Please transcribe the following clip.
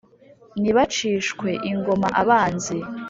nibacishwe ingoma abanzi,